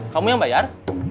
kamu yang bayar